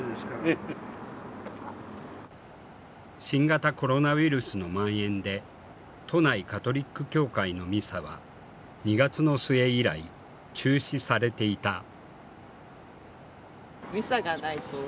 新型コロナウイルスのまん延で都内カトリック教会のミサは２月の末以来中止されていた。